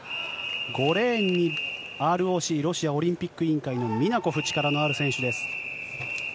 ５レーンにＲＯＣ・ロシアオリンピック委員会のミナコフ、力のある選手です。